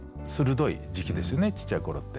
ちっちゃい頃って。